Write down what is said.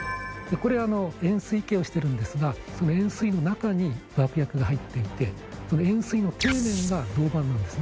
これあの円錐形をしてるんですがその円錐の中に爆薬が入っていてその円錐の底面が銅板なんですね